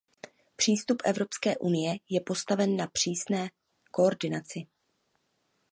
Přístup Evropské unie je postaven na přísné koordinaci.